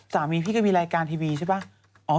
สามีพี่ก็มีรายการทีวีใช่ไหม